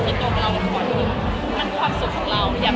ถูกร้ายใครอยู่แล้วยังไม่ร้ายเรา